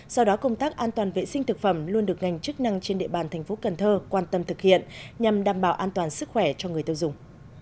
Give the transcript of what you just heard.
do đó công tác an toàn vệ sinh thực phẩm luôn được ngành chức năng trên địa bàn thành phố cần thơ quan tâm thực hiện nhằm đảm bảo an toàn sức khỏe cho người tiêu dùng